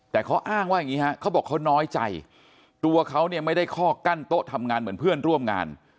แต่เขาอ้างว่าอย่างนี้ฮะเขาบอกเขาน้อยใจตัวเขาเนี่ยไม่ได้ข้อกั้นโต๊ะทำงานเหมือนเพื่อนร่วมงาน